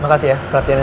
makasih ya keratiannya